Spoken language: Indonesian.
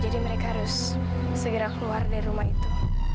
jadi mereka harus segera keluar dari rumah itu